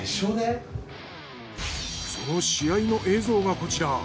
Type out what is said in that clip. その試合の映像がこちら。